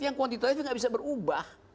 yang kualitatif itu gak bisa berubah